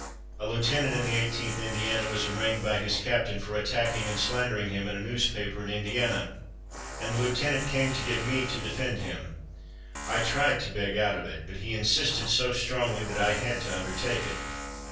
A lieutenant in the Eighteenth Indiana was arraigned by his captain for attacking and slandering him in a newspaper in Indiana, and the lieutenant came to get me to defend him. I tried to beg out of it, but he insisted so strongly that I had to undertake it.